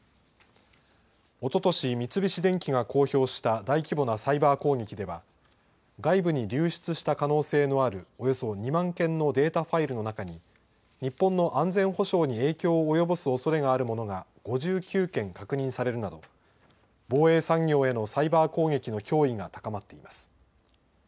おととし三菱電機が公表した大規模なサイバー攻撃では外部に流失した可能性のあるおよそ２万件のデータファイルの中に日本の安全保障に影響を及ぼすおそれがあるものが５９件確認されるなど防衛産業へのサイバー攻撃の脅威が高まっています。